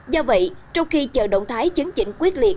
do vậy trong khi chờ động thái chứng chỉnh quyết liệt